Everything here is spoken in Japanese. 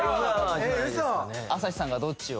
朝日さんがどっちを？